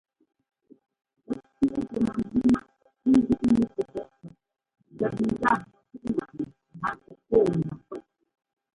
Pɛ́k tsẅɛ́ɛtɛ mɛmbʉʉ mɛ́k ńzíꞌyúu tsɛtsɛt pɛ́k tsɛt ndá mɛpúꞌŋwaꞌnɛ mba tsɛt pɔ́ɔndá pɛ́k.